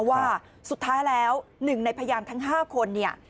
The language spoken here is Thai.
ว่าสุดท้ายแล้ว๑หนึ่งในพยานทั้ง๕คน